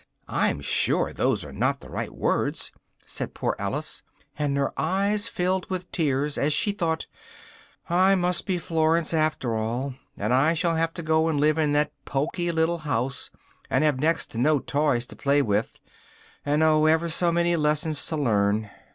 "I'm sure those are not the right words," said poor Alice, and her eyes filled with tears as she thought "I must be Florence after all, and I shall have to go and live in that poky little house, and have next to no toys to play with, and oh! ever so many lessons to learn!